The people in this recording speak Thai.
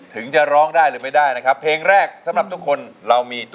โปรดติดตามต่อไป